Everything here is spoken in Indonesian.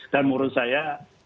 dan menurut saya